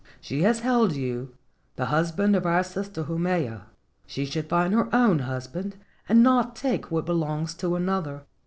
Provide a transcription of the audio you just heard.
She has held you, the husband of our sister Haumea. She should find her own husband and not take what belongs to another.